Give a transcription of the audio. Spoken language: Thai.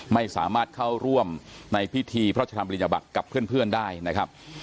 ไม่สามารถเข้าร่วมในพิธีพระชธรรมริญญบัตรกับเพื่อนได้นะครับ